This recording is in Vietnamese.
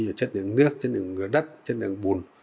như chất lượng nước chất lượng đất chất lượng bùn